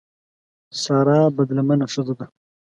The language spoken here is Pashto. سارا بدلمنه ښځه ده.